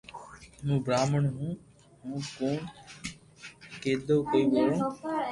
ھون براھمڻ ھون ھون ڪوڻ ڪيدو ڪوئي ٻولو